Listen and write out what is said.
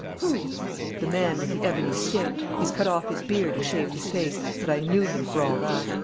"Who?" "The man with the ebony stick. He's cut off his beard and shaved his face, but I knew him for all that.